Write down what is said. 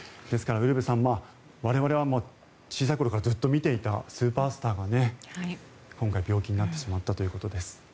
ですから、ウルヴェさん我々が小さい頃からずっと見ていたスーパースターが今回、病気になってしまったということです。